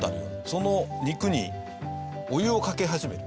その肉にお湯をかけ始めた。